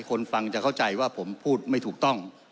คนฟังจะเข้าใจว่าผมพูดไม่ถูกต้อง